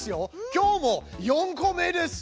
今日も４個目です！